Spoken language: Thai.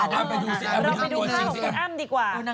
ดูร่าผลิตคุณสั่งของพี่อ้ำดีกว่า